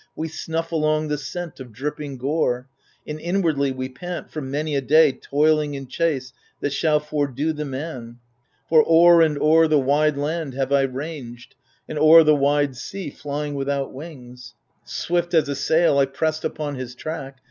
We snuff along the scent of dripping gore, And inwardly we pant, for many a day Toiling in chase that shall fordo the man ; For o'er and o'er the wide land have I ranged, And o'er the wide sea, flying without wings, Swift as a sail I pressed upon his track.